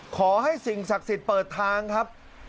ขอให้สิ่งศักดิ์สิทธิ์เปิดทางครับ